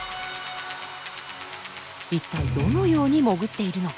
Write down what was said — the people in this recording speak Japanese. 一体どのように潜っているのか？